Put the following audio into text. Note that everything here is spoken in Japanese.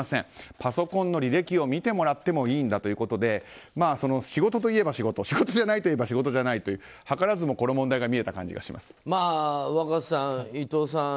パソコンの履歴を見てもらってもいいんだということで仕事といえば仕事仕事じゃないといえば仕事じゃないと図らずもこの問題が若狭さん